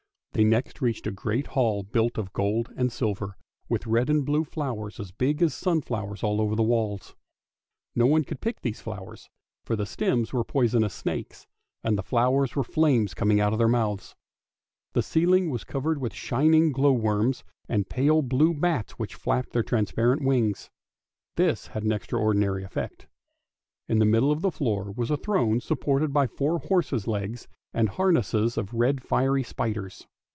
They next reached a great hall built of gold and silver, with red and blue flowers as big as sunflowers all over the walls. No one could pick these flowers, for the stems were poisonous snakes, and the flowers were flames coming out of their mouths. The ceiling was covered with shining glow worms and pale blue bats which flapped their transparent wings. This had an extra ordinary effect. In the middle of the floor was a throne supported on four horses' legs with harness of the red fiery spiders.